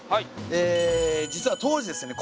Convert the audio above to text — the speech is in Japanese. え実は当時ですね